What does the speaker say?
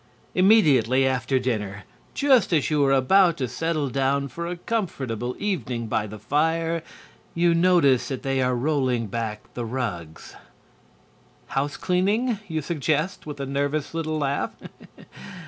Immediately after dinner, just as you are about to settle down for a comfortable evening by the fire, you notice that they are rolling back the rugs. "House cleaning?" you suggest, with a nervous little laugh.